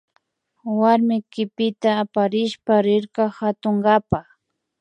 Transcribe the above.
Warmi kipita aparishpa rirka katunkapa